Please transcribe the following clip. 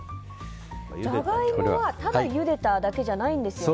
ジャガイモは、ただゆでただけじゃないんですよね。